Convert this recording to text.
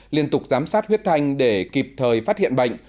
liên tục giám sát huyết thanh để kịp thời phát hiện bệnh